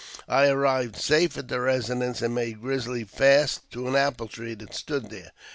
I arrived safe at the residence, and made Grizzly fast to an apple tree that stood there.